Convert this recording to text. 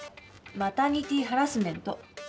マタニティーハラスメント。